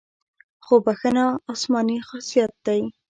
خو بښنه آسماني خاصیت دی.